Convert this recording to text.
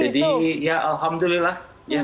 jadi ya alhamdulillah